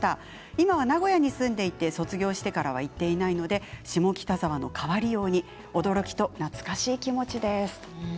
今、名古屋に住んでいて卒業してからは行っていないので下北沢の変わりように驚きと懐かしい気持ちです。